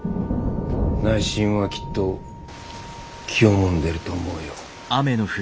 内心はきっと気をもんでると思うよ。